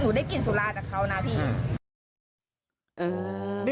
ได้กลิ่นสุราจากเขานะพี่